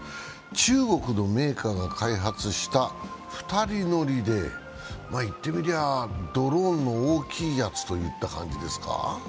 中国のメーカーが開発した２人乗りで言ってみりゃドローンの大きいやつといった感じですか。